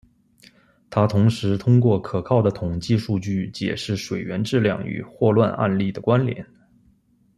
他同时通过可靠的统计数据解释水源质量与霍乱案例的关联。